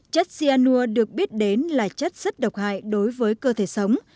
chất cyanur được biết đến là chất rất độc hại đối với cơ thể sống